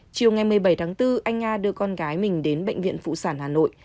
chiều ngày một mươi bảy tháng bốn anh nga đưa con gái mình đến bệnh viện phụ sản hà nội